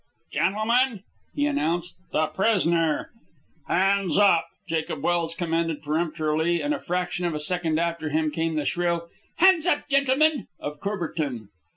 "Gentlemen," he announced, "the prisoner " "Hands up!" Jacob Welse commanded peremptorily, and a fraction of a second after him came the shrill "Hands up, gentlemen!" of Courbertin.